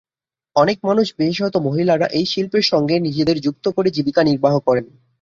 অনেক মানুষ, বিশেষত মহিলারা এই শিল্পের সঙ্গে নিজেদের যুক্ত করে জীবিকা নির্বাহ করেন।